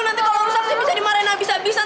nanti kalau rusak bisa dimarahin habis habisan